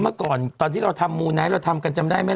เมื่อก่อนตอนที่เราทำมูไนท์เราทำกันจำได้ไหม